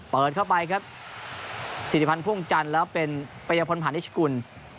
เปิดเข้าไปครับสิริพันธ์พ่วงจันทร์แล้วเป็นปริยพลผ่านนิชกุล